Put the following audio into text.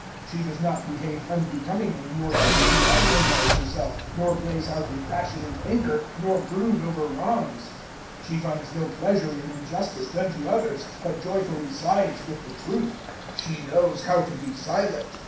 013:005 She does not behave unbecomingly, nor seek to aggrandize herself, nor blaze out in passionate anger, nor brood over wrongs. 013:006 She finds no pleasure in injustice done to others, but joyfully sides with the truth. 013:007 She knows how to be silent.